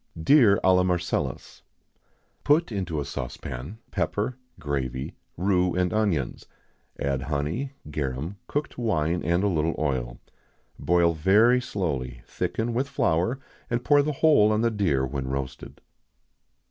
Deer à la Marcellus. Put into a saucepan pepper, gravy, rue, and onions; add honey, garum, cooked wine, and a little oil. Boil very slowly, thicken with flour, and pour the whole on the deer when roasted.